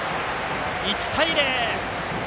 １対０！